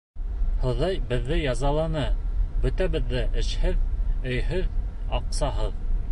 Хоҙай беҙҙе язаланы -бөтәбеҙ ҙә эшһеҙ, өйһөҙ, аҡсаһыҙ.